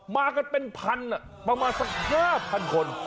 มากันเป็นพันมากันมาสัก๕พันคน